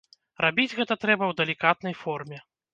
Рабіць гэта трэба ў далікатнай форме.